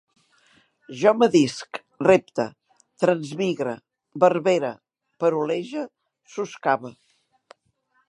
Jo medisc, repte, transmigre, verbere, parolege, soscave